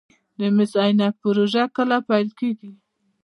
د مس عینک پروژه کله پیلیږي؟